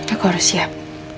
aku harus siap